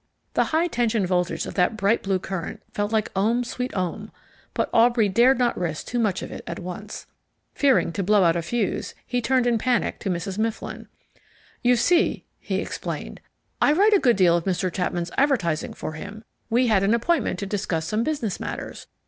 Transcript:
The high tension voltage of that bright blue current felt like ohm sweet ohm, but Aubrey dared not risk too much of it at once. Fearing to blow out a fuse, he turned in panic to Mrs. Mifflin. "You see," he explained, "I write a good deal of Mr. Chapman's advertising for him. We had an appointment to discuss some business matters.